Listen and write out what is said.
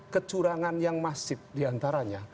kecurangan yang masif diantaranya